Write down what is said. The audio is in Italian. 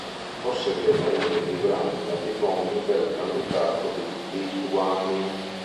Possedeva uno dei più grandi latifondi del Granducato di Lituania.